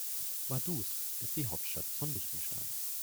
Vaduz ist die Hauptstadt von Liechtenstein.